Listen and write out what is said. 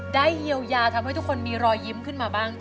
เยียวยาทำให้ทุกคนมีรอยยิ้มขึ้นมาบ้าง